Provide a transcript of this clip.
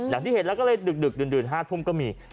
อย่างที่เห็นแล้วก็เลยดึกดื่น๕ทุ่มก็มี